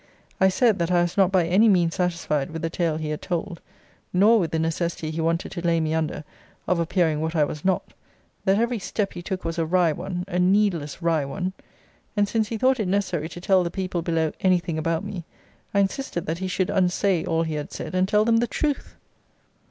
I said, that I was not by any means satisfied with the tale he had told, nor with the necessity he wanted to lay me under of appearing what I was not: that every step he took was a wry one, a needless wry one: and since he thought it necessary to tell the people below any thing about me, I insisted that he should unsay all he had said, and tell them the truth.